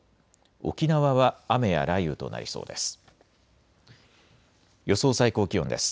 沖縄は雨や雷雨となりそうです。